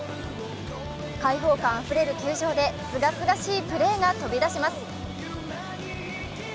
開放感あふれる球場で清々しいプレーが飛び出します。